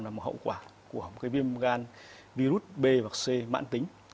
và một hậu quả của cái viêm gan virus b và c mãn tính